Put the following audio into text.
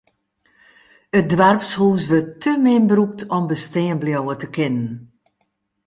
It doarpshûs wurdt te min brûkt om bestean bliuwe te kinnen.